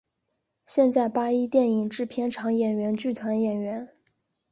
现为八一电影制片厂演员剧团演员。